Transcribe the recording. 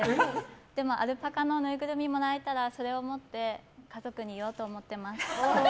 でもアルパカのぬいぐるみをもらえたらそれを持って家族に言おうと思ってます。